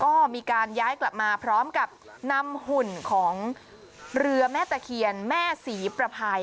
ก็มีการย้ายกลับมาพร้อมกับนำหุ่นของเรือแม่ตะเคียนแม่ศรีประภัย